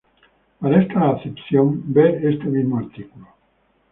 Para esta acepción, ver este mismo artículo.